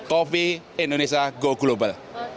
kopi indonesia go global